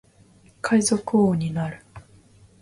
海賊王になる